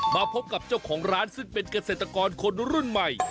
มาพบกับเจ้าของร้านซึ่งเป็นเกษตรกรคนรุ่นใหม่